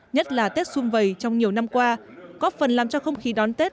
nhất là tết xung vầy trong nhiều năm qua góp phần làm cho không khí đón tết